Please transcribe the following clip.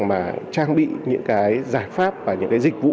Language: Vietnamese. mà trang bị những cái giải pháp và những cái dịch vụ